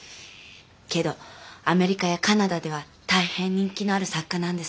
けどアメリカやカナダでは大変人気のある作家なんです。